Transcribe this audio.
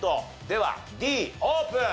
ではＤオープン！